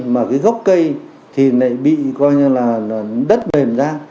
mà cái gốc cây thì lại bị coi như là đất mềm ra